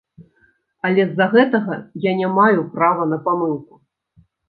Але з-за гэтага я не маю права на памылку.